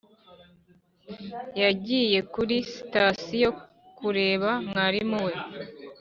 yagiye kuri sitasiyo kureba mwarimu we?